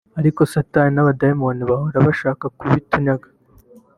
ariko satani n’abadayimoni bahora bashaka kubitunyaga